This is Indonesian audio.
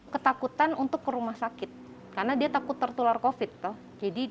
ketakutan untuk ke rumah sakit karena dia takut tertular covid